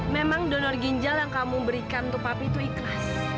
memang donor ginjal yang kamu berikan untuk papi itu ikhlas